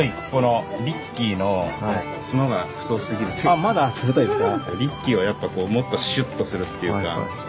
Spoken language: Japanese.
あっまだ太いですか？